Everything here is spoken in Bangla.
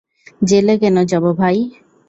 জেলে কেন যাব, ভাই?